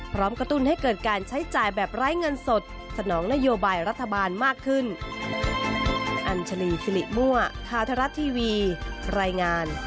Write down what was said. กระตุ้นให้เกิดการใช้จ่ายแบบไร้เงินสดสนองนโยบายรัฐบาลมากขึ้น